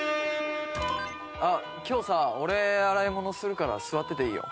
今日さ俺洗い物するから座ってていいよ。